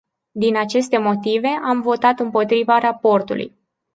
Din aceste motive, am votat împotriva raportului.